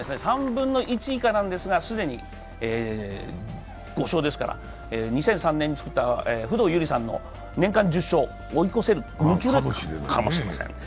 ３分の１以下なんですが、既に５勝ですから、２００３年につくった不動裕理さんの年間１０勝を追い越せる、抜くかもしれません。